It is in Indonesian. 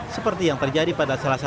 seperti yang terjadi pada salah satu